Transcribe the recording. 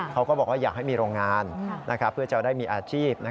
เขาก็บอกว่าอยากให้มีโรงงานเพื่อจะได้มีอาชีพ